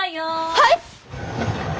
はい！？